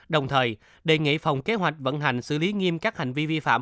đồng thời đề nghị phòng kế hoạch vận hành xử lý nghiêm các hành vi vi phạm